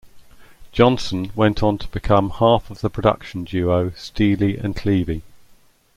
Johnson went on to become half of the production duo Steely and Clevie.